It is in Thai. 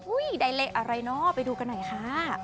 ได้เลขอะไรเนอะไปดูกันหน่อยค่ะ